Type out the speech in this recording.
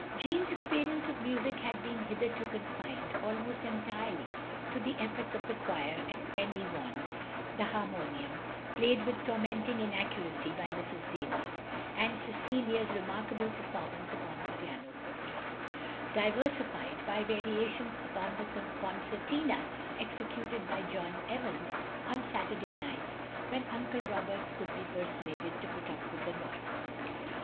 Jeanne's experience of music had been hitherto confined almost entirely to the efforts of the choir at Pen y waun, the harmonium, played with tormenting inaccuracy by Mrs. Davies, and Cecilia's remarkable performances upon the piano forte; diversified by variations upon the con OP GROSVENOR SQUARE 187 certina executed by John Evans on Saturday nights when Uncle Roberts could be persuaded to put up with the noise.